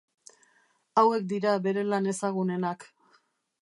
Hauek dira bere lan ezagunenak.